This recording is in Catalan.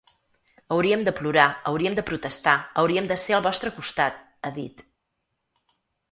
Hauríem de plorar, hauríem de protestar, hauríem de ser al vostre costat, ha dit.